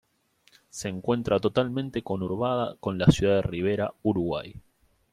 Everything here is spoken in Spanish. Se encuentra totalmente conurbada con la ciudad de Rivera, Uruguay.